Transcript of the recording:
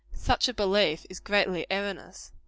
Such a belief is greatly erroneous.